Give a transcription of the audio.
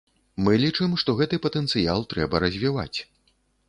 Мы лічым, што гэты патэнцыял трэба развіваць.